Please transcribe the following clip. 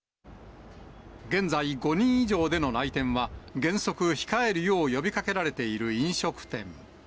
現在、５人以上での来店は、原則、控えるよう呼びかけられている飲食店。